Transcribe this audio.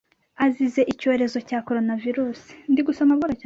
azize icyorezo cya Coronavirus